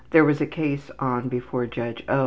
There was a case on before Judge O.